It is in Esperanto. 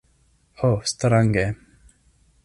Ho, strange!